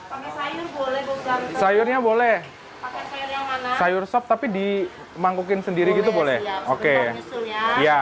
pakai sayur boleh bu sayurnya boleh pakai sayur yang mana sayur sop tapi dimangkukin sendiri gitu boleh boleh sih ya